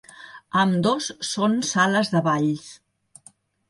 Ambdós són sales de balls.